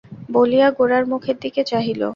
বলিয়া গোরার মুখের দিকে চাহিল।